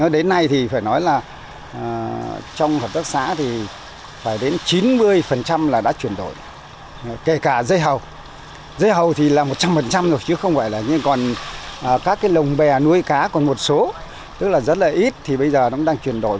đến nay thì phải nói là trong hợp tác xã thì phải đến chín mươi